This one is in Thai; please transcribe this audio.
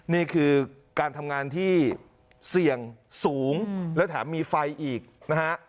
นี่คือการทำงานที่เสี่ยงสูงและแถมมีไฟอีกนะฮะ